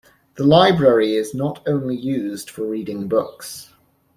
The Library is not only used for reading books.